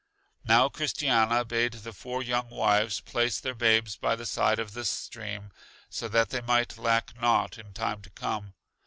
Now Christiana bade the four young wives place their babes by the side of this stream, so that they might lack nought in time to come.